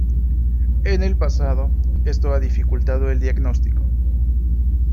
En el pasado, esto ha dificultado el diagnóstico.